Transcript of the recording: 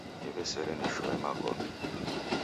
Niw'esere nishoe magome